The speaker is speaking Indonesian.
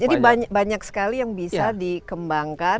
jadi banyak sekali yang bisa dikembangkan